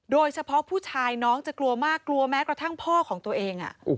โดยเฉพาะผู้ชายน้องจะกลัวมากกลัวแม้กระทั่งพ่อของตัวเอง